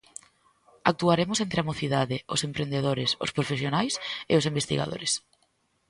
Actuaremos entre a mocidade, os emprendedores, os profesionais e os investigadores.